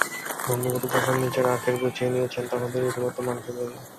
ভগ্নিপতি যখন নিজের আখের গুছিয়ে নিয়েছেন, তখন তিনি রীতিমতো মানসিক রোগী।